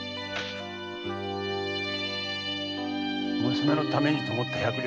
娘のためにと思った百両。